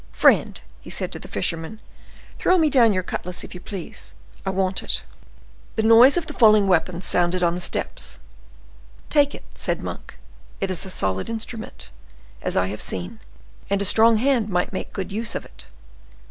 "Friend," said he to the fisherman, "throw me down your cutlass, if you please; I want it." The noise of the falling weapon sounded on the steps. "Take it," said Monk; "it is a solid instrument, as I have seen, and a strong hand might make good use of it."